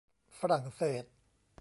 ฝรั่งเศส